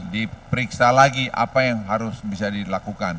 diperiksa lagi apa yang harus bisa dilakukan